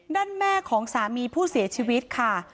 ด้านแม่ของสามีผู้เสียชีวิตค่ะ